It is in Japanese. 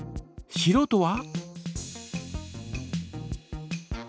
しろうとは？